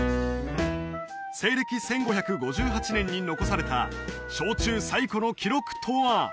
西暦１５５８年に残された焼酎最古の記録とは？